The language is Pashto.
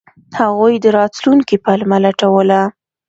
هغوی د راتلونکي پلمه لټوله.